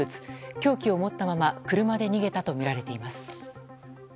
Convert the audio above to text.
凶器を持ったまま車で逃げたとみられています。